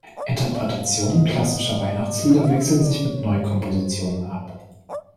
Interpretationen klassischer Weihnachtslieder wechseln sich mit Neukompositionen ab.